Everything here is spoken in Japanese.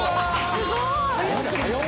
すごい！